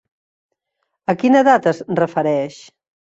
A quina edat es refereix?